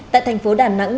tại thành phố đà nẵng